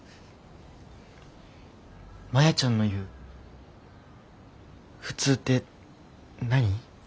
マヤちゃんの言う「普通」って何？